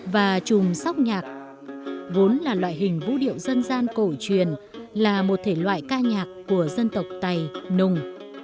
và chùm sóc nhạc vốn là loại hình vũ điệu dân gian cổ truyền là một thể loại ca nhạc của dân tộc tây nùng